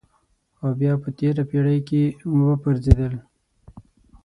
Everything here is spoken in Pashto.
او بیا په تېره پېړۍ کې وپرځېدل.